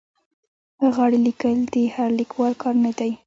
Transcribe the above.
غاړې لیکل د هر لیکوال کار نه دی.